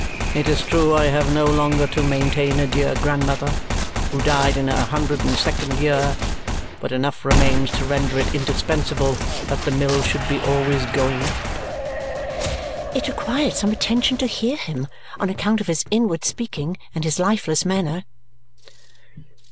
It is true I have no longer to maintain a dear grandmother who died in her hundred and second year, but enough remains to render it indispensable that the mill should be always going." It required some attention to hear him on account of his inward speaking and his lifeless manner.